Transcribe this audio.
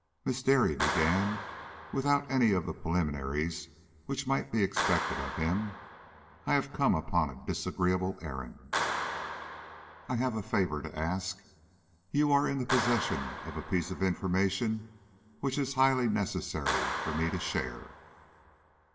"Miss Dare," he began, without any of the preliminaries which might be expected of him, "I have come upon a disagreeable errand. I have a favor to ask. You are in the possession of a piece of information which it is highly necessary for me to share."